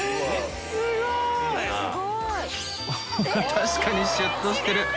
確かにシュっとしてる！